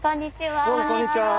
こんにちは。